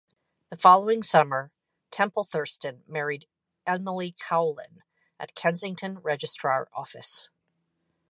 The following summer Temple Thurston married Emily Cowlin at Kensington Register Office.